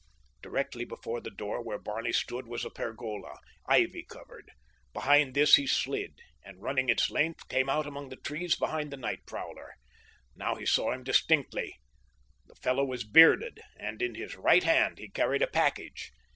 Directly before the door where Barney stood was a pergola, ivy covered. Behind this he slid, and, running its length, came out among the trees behind the night prowler. Now he saw him distinctly. The fellow was bearded, and in his right hand he carried a package.